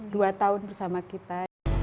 dua tahun bersama kita